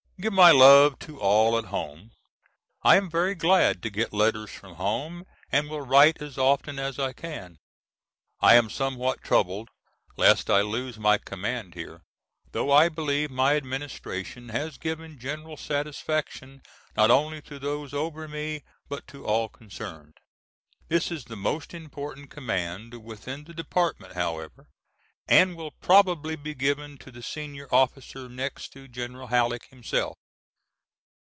Give my love to all at home. I am very glad to get letters from home and will write as often as I can. I am somewhat troubled lest I lose my command here, though I believe my administration has given general satisfaction not only to those over me but to all concerned. This is the most important command within the department however, and will probably be given to the senior officer next to General Halleck himself.